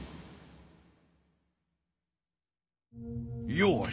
よし。